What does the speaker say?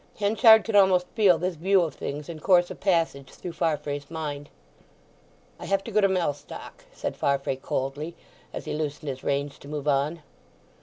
Henchard could almost feel this view of things in course of passage through Farfrae's mind. "I have to go to Mellstock," said Farfrae coldly, as he loosened his reins to move on.